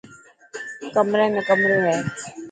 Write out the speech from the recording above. ڪمري ۾ ڪمرو هي.